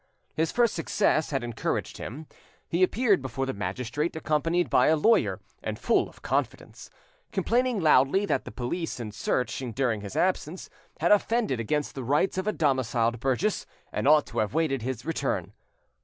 His first success had encouraged him. He appeared before the magistrate accompanied by a lawyer and full of confidence, complaining loudly that the police, in searching during his absence, had offended against the rights of a domiciled burgess, and ought to have awaited his return.